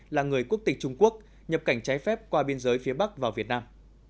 là người quốc tịch trung quốc nhập cảnh trái phép qua biên giới phía bắc vào việt nam